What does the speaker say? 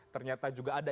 ternyata juga ada